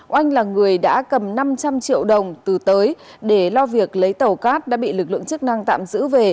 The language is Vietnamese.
oanh là người đã cầm năm trăm linh triệu đồng từ tới để lo việc lấy tàu cát đã bị lực lượng chức năng tạm giữ về